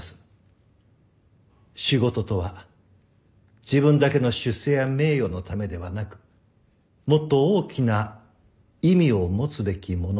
「仕事とは自分だけの出世や名誉のためではなくもっと大きな意味を持つべきものである」と。